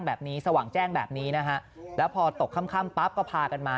สว่างแจ้งแบบนี้นะฮะแล้วพอตกค่ำปั๊บก็พากันมา